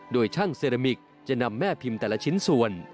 โดยช่างเซรามิกจะนำแม่พิมพ์แต่ละชิ้นส่วน